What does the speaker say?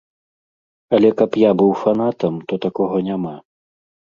Але каб я быў фанатам, то такога няма.